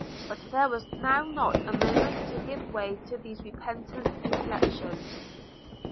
But there was now not a moment to give way to these repentant reflections.